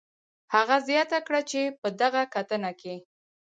هغه زیاته کړې چې په دغه کتنه کې